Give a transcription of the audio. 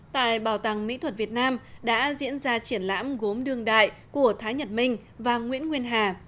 tại bảo tàng mỹ thuật việt nam đã diễn ra triển lãm gốm đương đại của thái nhật minh và nguyễn nguyên hà